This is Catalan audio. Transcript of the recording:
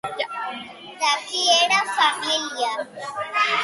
De qui era família?